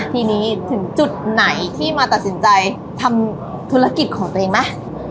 ทีนี้ถึงจุดไหนที่มาตัดสินใจทำธุรกิจของตัวเองไหม